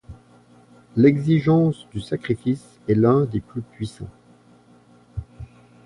L'exigence du sacrifice est l'un des plus puissants.